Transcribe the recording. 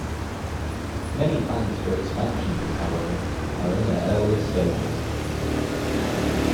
Many plans for expansion, however, are in their earliest stages.